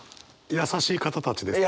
優しい方たちですね。